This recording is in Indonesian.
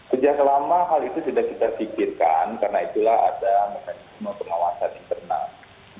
sejak lama hal itu tidak kita pikirkan karena itulah ada mekanisme pengawasan internal